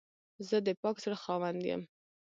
زه د پاک زړه خاوند یم.